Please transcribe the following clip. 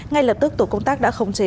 ngay lập tức tổ công tác đã khống chế